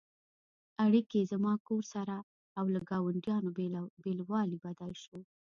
اړیکې «زما کور» سره او له ګاونډیانو بېلوالی بدل شو.